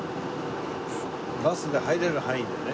バスで入れる範囲でね。